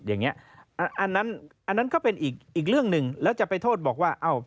อันนั้นก็เป็นอีกเรื่องหนึ่งแล้วจะไปโทษบอกว่า